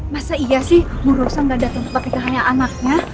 masa iya sih bu rosa gak dateng ke petikahannya anaknya